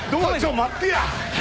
待ってや。